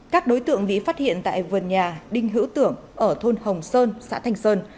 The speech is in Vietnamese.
các đối tượng bị phát hiện tại vườn nhà đinh hữu tưởng ở thôn hồng sơn xã thành sơn